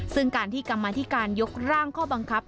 ซึ่งการที่กรรมาธิการยกร่างข้อบังคับ